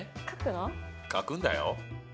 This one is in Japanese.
書くんだよ。